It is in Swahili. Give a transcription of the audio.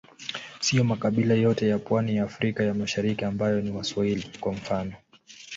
Siyo makabila yote ya pwani ya Afrika ya Mashariki ambao ni Waswahili, kwa mfano.